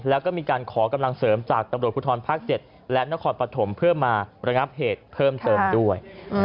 แล้วก็มีการขอกำลังเสริมจากตำรวจภูทรภาค๗และนครปฐมเพื่อมาระงับเหตุเพิ่มเติมด้วย